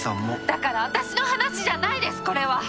だから私の話じゃないですこれは。